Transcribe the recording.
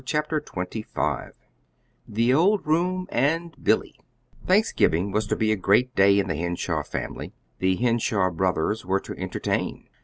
CHAPTER XXV THE OLD ROOM AND BILLY Thanksgiving was to be a great day in the Henshaw family. The Henshaw brothers were to entertain.